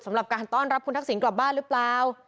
สำหรับการต้อนรับคุณทักษิณกลับบ้านหรือเปล่า